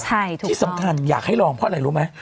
ใช่ถูกที่สำคัญอยากให้ลองเพราะอะไรรู้ไหม